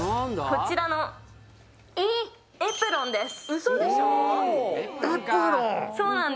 こちらのエプロンです。